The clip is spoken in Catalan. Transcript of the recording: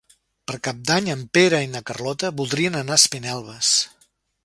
Per Cap d'Any en Pere i na Carlota voldrien anar a Espinelves.